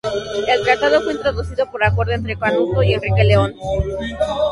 El tratado fue introducido por acuerdo entre Canuto y Enrique el León.